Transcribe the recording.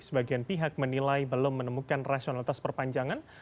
sebagian pihak menilai belum menemukan rasionalitas perpanjangan